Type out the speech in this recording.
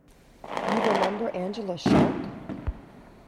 You remember Angela's shark?